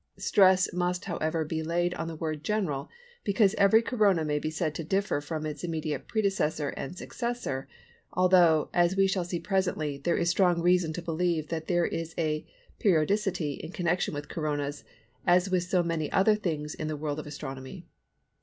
Stress must however be laid on the word "general" because every Corona may be said to differ from its immediate predecessor and successor, although, as we shall see presently, there is strong reason to believe that there is a periodicity in connection with Coronas as with so many other things in the world of Astronomy.